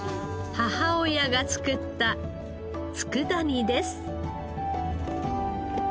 母親が作った佃煮です。